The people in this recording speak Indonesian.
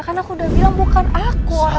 karena aku udah bilang bukan aku orangnya